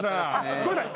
ごめんなさい